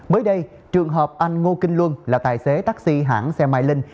mới đây trường hợp anh ngô kinh luân là tài xế taxi hãng xe mai linh